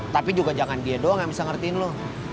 tapi juga jangan dia doang yang bisa ngertiin loh